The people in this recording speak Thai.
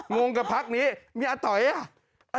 งงกับพักนี้มีอาต๋อยอ่ะ